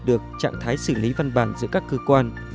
được trạng thái xử lý văn bản giữa các cơ quan